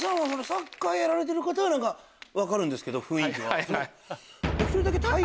サッカーやられてる方は分かるんですけど雰囲気は。